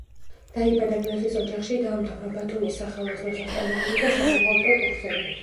დაიბადა გლეხის ოჯახში, დაამთავრა ბათუმის სახელოსნო სასწავლებელი და საბუღალტრო კურსები.